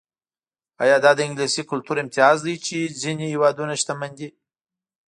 ایا دا د انګلیسي کلتور امتیاز دی چې ځینې هېوادونه شتمن دي.